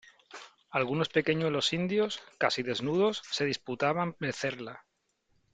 algunos pequeñuelos indios , casi desnudos , se disputaban mecerla .